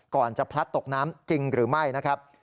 ก่อนจะพลัดตกน้ำจริงหรือไม่นะครับ